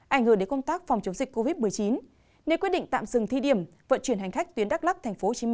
ảnh hưởng đến công tác phòng chống dịch covid một mươi chín nên quyết định tạm dừng thi điểm vận chuyển hành khách tuyến đắk lắk tp hcm